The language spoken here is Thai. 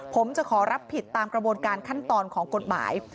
ผมจะขอรับผิดตามกระบวนการขั้นตอนของกฎหมาย